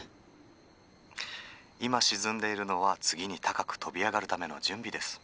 「今沈んでいるのは次に高く飛び上がるための準備です。